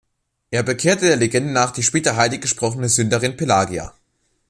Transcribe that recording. Er bekehrte der Legende nach die später heiliggesprochene Sünderin Pelagia.